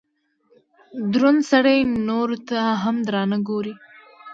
دروند سړئ نورو ته هم درانه ګوري